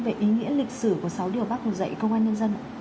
về ý nghĩa lịch sử của sáu điều bác hổ dạy công an nhân dân